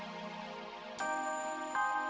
kok gak dianget sih